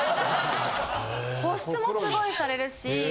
保湿もすごいされるし。